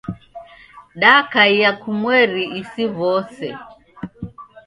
Dakaia andu kumweri isi w'ose.